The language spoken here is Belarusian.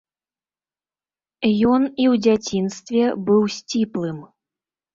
Ён і ў дзяцінстве быў сціплым.